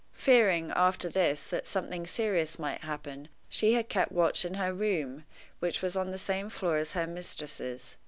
Fearing, after this, that something serious might happen, she had kept watch in her room, which was on the same floor as her mistress's.